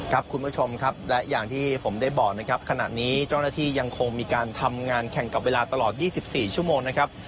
คุณผู้ชมครับและอย่างที่ผมได้บอกนะครับขณะนี้เจ้าหน้าที่ยังคงมีการทำงานแข่งกับเวลาตลอด๒๔ชั่วโมงนะครับ